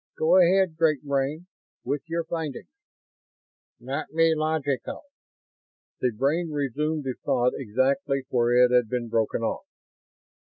Go ahead, Great Brain, with your findings." "... not be logical." The brain resumed the thought exactly where it had been broken off.